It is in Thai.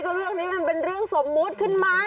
เรื่องนี้มันเป็นเรื่องสมมุติขึ้นมา